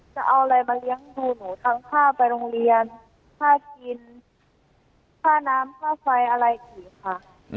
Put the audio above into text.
จะเอาอะไรมาเลี้ยงดูหนูทั้งค่าไปโรงเรียนค่ากินค่าน้ำค่าไฟอะไรอีกค่ะ